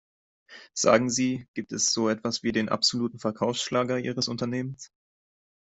Sagen Sie, gibt es so etwas wie den absoluten Verkaufsschlager ihres Unternehmens?